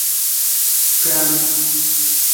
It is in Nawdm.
Kwaan.